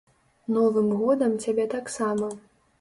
Новым годам цябе таксама!